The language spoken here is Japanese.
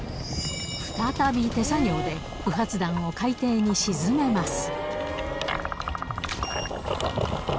再び手作業で不発弾を海底に沈めます。